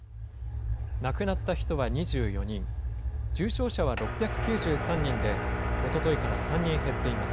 亡くなった人は２４人、重症者は６９３人で、おとといから３人減っています。